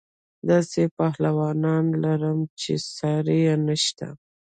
داسې پهلوانان لرم چې ساری یې نشته.